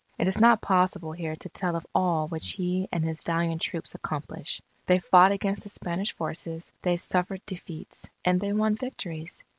It is not possible here to tell of all which he and his valiant troops accomplished. They fought against the Spanish forces, they suffered defeats, and they won victories.